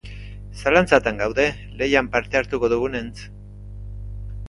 Zalantzatan gaude lehian parte hartuko dugunentz.